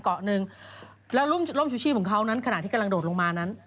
แล้วร่มชูชี้ของเขานั้นขณะที่กำลังโดดลงมานั้น